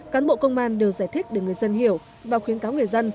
cán bộ công an đều giải thích để người dân hiểu và khuyến cáo người dân